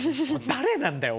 誰なんだよ